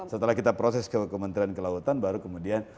setelah kita proses ke kementerian kelautan baru kemudian